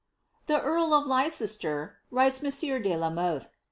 " The earl of Leicester," writes monsieur de la Moihe.